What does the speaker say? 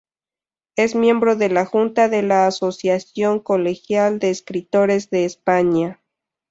Es miembro de la Junta de la Asociación Colegial de Escritores de España.